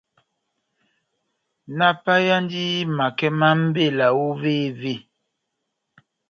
Náhápayeyandi makɛ má mbela óvévé ?